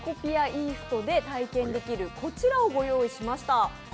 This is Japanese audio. イーストで体験できる、こちらをご用意しました。